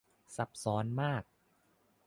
ซับซ้อนมาก